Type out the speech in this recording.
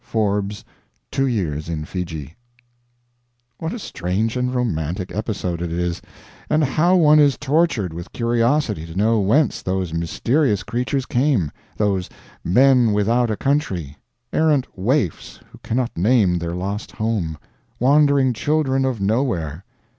[Forbes's "Two Years in Fiji."] What a strange and romantic episode it is; and how one is tortured with curiosity to know whence those mysterious creatures came, those Men Without a Country, errant waifs who cannot name their lost home, wandering Children of Nowhere.